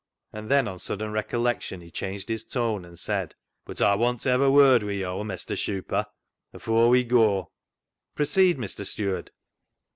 and then on sudden recollection he changed his tone and said, " But Aw want ta hev a word wi' yo', Mestur Shuper, afoor we goa." " Proceed, Mr. Steward."